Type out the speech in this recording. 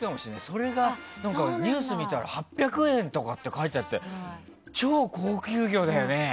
それが、ニュース見たら８００円とかって書いてあって超高級魚だよね。